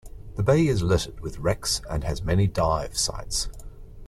The bay is littered with wrecks and has many dive sites.